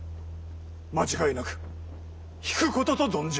間違いなく引くことと存じまする。